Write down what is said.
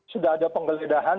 sudah ada penggeledahan